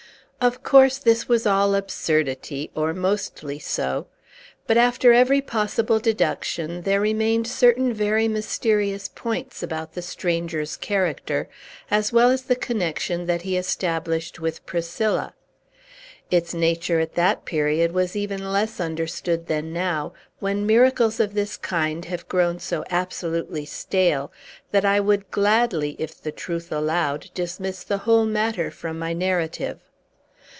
Of course this was all absurdity, or mostly so. But, after every possible deduction, there remained certain very mysterious points about the stranger's character, as well as the connection that he established with Priscilla. Its nature at that period was even less understood than now, when miracles of this kind have grown so absolutely stale, that I would gladly, if the truth allowed, dismiss the whole matter from my narrative.